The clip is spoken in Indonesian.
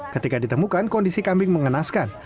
ketika ditemukan kondisi kambing mengenaskan